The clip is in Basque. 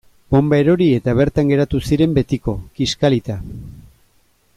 Bonba erori eta bertan geratu ziren betiko, kiskalita.